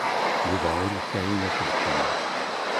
Yuba ur yesɛi aselkim.